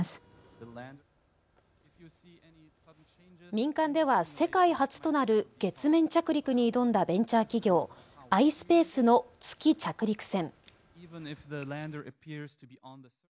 民間では世界初となる月面着陸に挑んだベンチャー企業、ｉｓｐａｃｅの月着陸船。